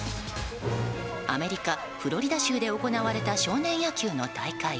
アメリカ・フロリダ州で行われた少年野球の大会。